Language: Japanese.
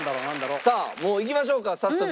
さあもういきましょうか早速。